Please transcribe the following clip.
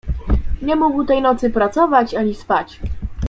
"Nie mógł tej nocy pracować ani spać."